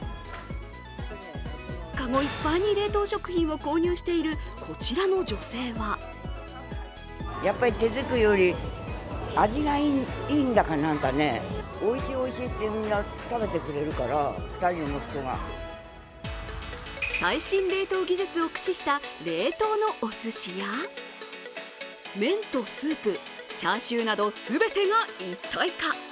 籠いっぱいに冷凍食品を購入しているこちらの女性は最新冷凍技術を駆使した冷凍のおすしや、麺とスープ、チャーシューなど全てが一体化。